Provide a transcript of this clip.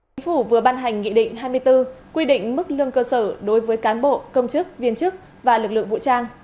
chính phủ vừa ban hành nghị định hai mươi bốn quy định mức lương cơ sở đối với cán bộ công chức viên chức và lực lượng vũ trang